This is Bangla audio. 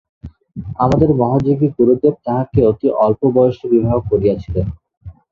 আমাদের মহাযোগী গুরুদেব তাঁহাকে অতি অল্প বয়সে বিবাহ করিয়াছিলেন।